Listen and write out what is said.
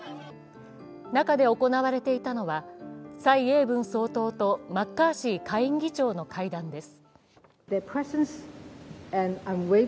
中で行われていたのは蔡英文総統とマッカーシー下院議長の対談です。